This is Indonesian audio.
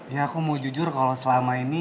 ya aku mau jujur kalau selama ini